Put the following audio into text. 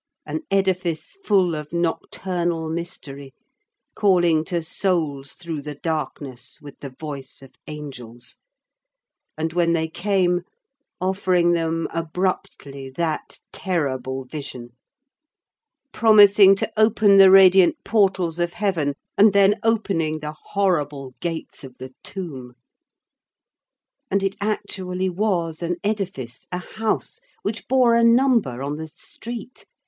An edifice full of nocturnal mystery, calling to souls through the darkness with the voice of angels, and when they came, offering them abruptly that terrible vision; promising to open the radiant portals of heaven, and then opening the horrible gates of the tomb! And it actually was an edifice, a house, which bore a number on the street!